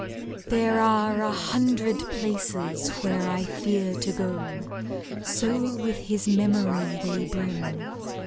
There are a hundred places where I fear To go, so with his memory they brim!